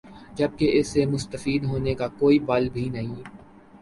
جبکہ اس سے مستفید ہونے کا کوئی بل بھی نہیں